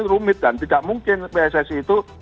rumit dan tidak mungkin pssi itu